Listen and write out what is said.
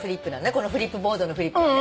このフリップボードのフリップはね。